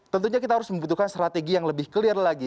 tentunya kita harus membutuhkan strategi yang lebih clear lagi